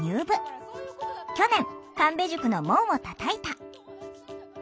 去年神戸塾の門をたたいた。